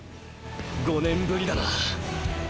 ５年ぶりだな。